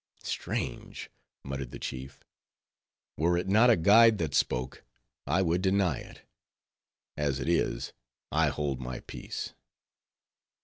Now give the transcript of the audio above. "Strange," muttered the chief; "were it not a guide that spoke, I would deny it. As it is, I hold my peace."